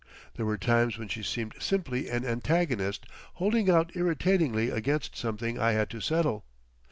There were times when she seemed simply an antagonist holding out irritatingly against something I had to settle.